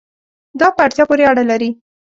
دا په اړتیا پورې اړه لري